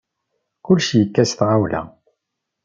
Kullec yekka s tɣawla.